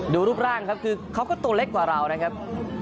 ดูรูปร่างครับคือเขาก็ตัวเล็กกว่าเรานะครับ